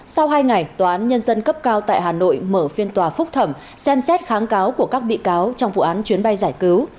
sau hai ngày tòa án nhân dân cấp cao tại hà nội mở phiên tòa phúc thẩm xem xét kháng cáo của các bị cáo trong vụ án chuyến bay giải cứu